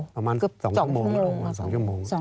ประมาณ๒ชั่วโมง